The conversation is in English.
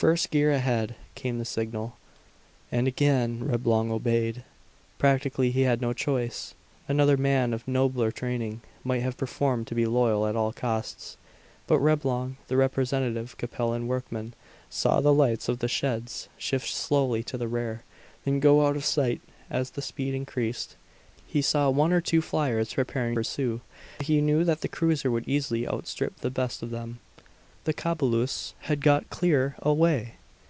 "First gear ahead," came the signal; and again Reblong obeyed. Practically he had no choice. Another man, of nobler training, might have preferred to be loyal at all costs. But Reblong, the representative Capellan workman, saw the lights of the sheds shift slowly to the rear, then go out of sight as the speed increased. He saw one or two fliers preparing to pursue, but he knew that the cruiser would easily outstrip the best of them. The Cobulus had got clear away!